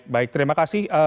baik terima kasih